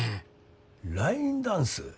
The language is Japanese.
ラインダンス？